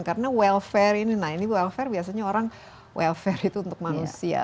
karena welfare ini nah ini welfare biasanya orang welfare itu untuk manusia